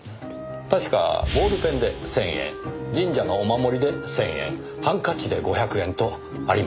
確かボールペンで１０００円神社のお守りで１０００円ハンカチで５００円とありました。